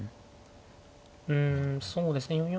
うんそうですね。